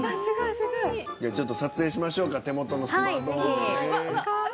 じゃあちょっと撮影しましょうか手元のスマートフォンでね。